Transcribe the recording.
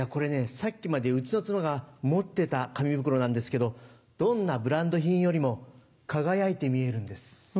さっきまでうちの妻が持ってた紙袋なんですけどどんなブランド品よりも輝いて見えるんです。